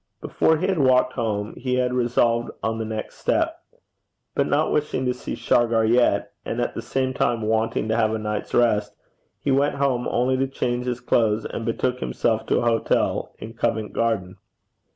Before he had walked home, he had resolved on the next step. But not wishing to see Shargar yet, and at the same time wanting to have a night's rest, he went home only to change his clothes, and betook himself to a hotel in Covent Garden.